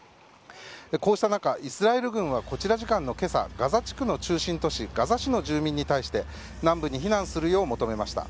こうした中、イスラエル軍はこちら時間のけさガザ地区の中心都市ガザ市の住民に対して南部に避難するよう求めました。